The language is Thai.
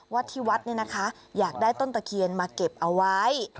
วัดที่วัดเนี่ยนะคะอยากได้ต้นตะเคียนมาเก็บเอาไว้